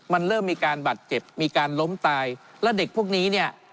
มันเริ่มมีการบาดเจ็บมีการล้มตายแล้วเด็กพวกนี้เนี่ย